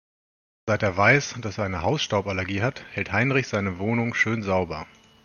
Seit er weiß, dass er eine Hausstauballergie hat, hält Heinrich seine Wohnung schön sauber.